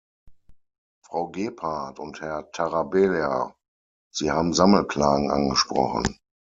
Frau Gebhardt und Herr Tarabella, Sie haben Sammelklagen angesprochen.